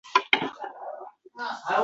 Borib so‘zlay, dedim otam, onamga –